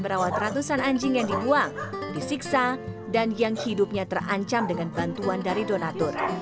merawat ratusan anjing yang dibuang disiksa dan yang hidupnya terancam dengan bantuan dari donatur